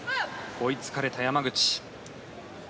追いつかれた山口。